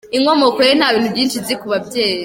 inkomoko ye Nta bintu byinshi nzi ku babyeyi.